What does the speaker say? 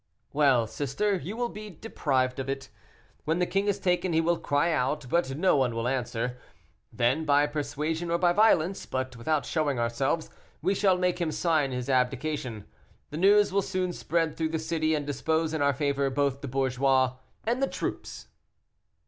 "Well, sister, you will be deprived of it. When the king is taken he will cry out, but no one will answer; then, by persuasion or by violence, but without showing ourselves, we shall make him sign his abdication. The news will soon spread through the city, and dispose in our favor both the bourgeois and the troops."